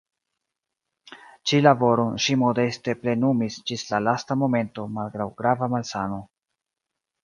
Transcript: Ĉi laboron ŝi modeste plenumis ĝis la lasta momento malgraŭ grava malsano.